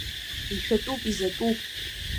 Ишәатәуп, изатәуп…